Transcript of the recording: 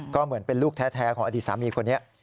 ก็เหมือนเป็นลูกแท้ของอดีตสามีคนนี้